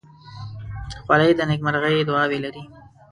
خولۍ د نیکمرغۍ دعاوې لري.